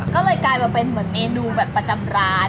ก็เลยกลายเป็นมันเป็นเมนูแบบประจำร้าน